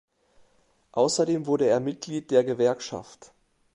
Außerdem wurde er Mitglied der Gewerkschaft.